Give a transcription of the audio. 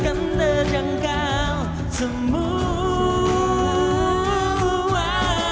kan terjangkau semua